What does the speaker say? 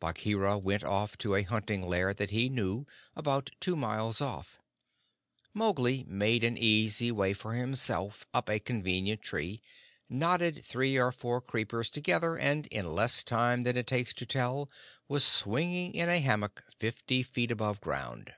Bagheera went off to a hunting lair that he knew, about two miles off. Mowgli made an easy way for himself up a convenient tree, knotted three or four creepers together, and in less time than it takes to tell was swinging in a hammock fifty feet above ground.